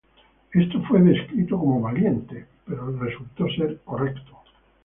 Esto fue descrito como "valiente", pero resultó ser correcto.